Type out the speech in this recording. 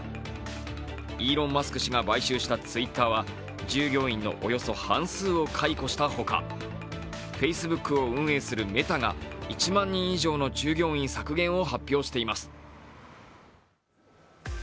イーロン・マスク氏が買収したＴｗｉｔｔｅｒは従業員のおよそ半数を解雇したほか、Ｆａｃｅｂｏｏｋを運営するメタが１万人以上の従業員削減を発表しています。